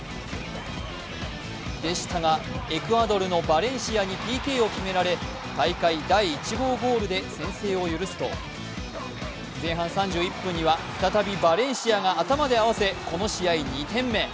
でしたが、エクアドルのバレンシアにＰＫを決められ大会第１号ゴールで先制を許すと、前半３１分には再びバレンシアが頭で合わせこの試合２点目。